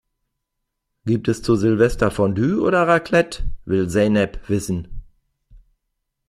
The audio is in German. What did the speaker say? "Gibt es zu Silvester Fondue oder Raclette?", will Zeynep wissen.